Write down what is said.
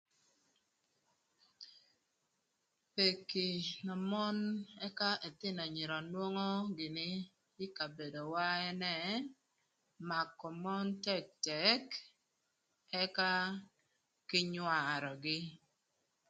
Peki na mon ëka ëthïnö anyira nwongo gïnï ï kabedowa ene makö mon tëtëk ëka kï nywarögï